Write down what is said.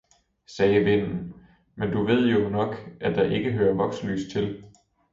sagde vinden, men du ved nok ikke at der hører vokslys til.